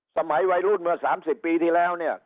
สมัยวัยรุ่นเมื่อ๓๐ปีที่แล้วเนี่ย